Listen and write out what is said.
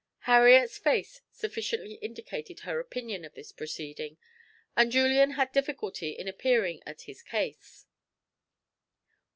Harriet's face sufficiently indicated her opinion of this proceeding, and Julian had difficulty in appearing at his case.